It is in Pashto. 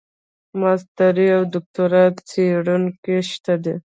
ماسټري او دوکتورا څېړونکي شته دي.